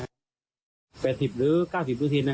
และก็คือว่าถึงแม้วันนี้จะพบรอยเท้าเสียแป้งจริงไหม